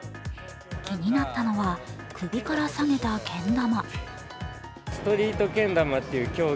気になったのは、首から提げたけん玉。